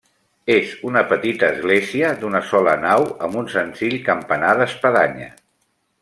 És una petita església d'una sola nau, amb un senzill campanar d'espadanya.